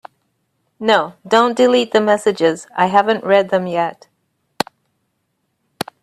No, don’t delete the messages, I haven’t read them yet.